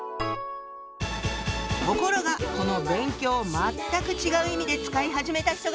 ところがこの「勉強」を全く違う意味で使い始めた人がいるの！